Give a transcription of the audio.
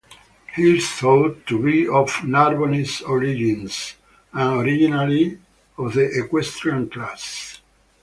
He is thought to be of Narbonese origins, and originally of the equestrian class.